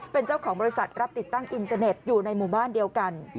เป็นเจ้าของบริษัทรับติดตั้งอินเตอร์เน็ตอยู่ในหมู่บ้านเดียวกัน